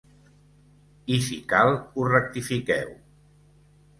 I si cal, ho rectifiqueu.